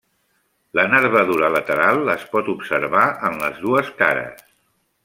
La nervadura lateral es pot observar en les dues cares.